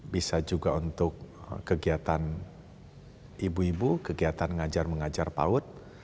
bisa juga untuk kegiatan ibu ibu kegiatan mengajar mengajar paut